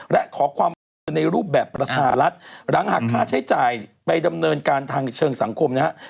และขอความร่วมมือในรูปแบบประชารัฐหลังหากค่าใช้จ่ายไปดำเนินการทางเชิงสังคมนะฮะ